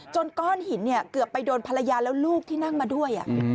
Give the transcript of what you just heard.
ก้อนหินเกือบไปโดนภรรยาแล้วลูกที่นั่งมาด้วย